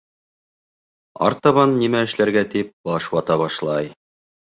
Артабан нимә эшләргә, тип баш вата башлай.